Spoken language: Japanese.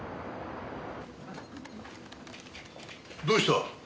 どうした？